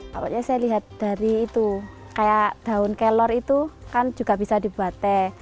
pokoknya saya lihat dari itu kayak daun kelor itu kan juga bisa dibuat teh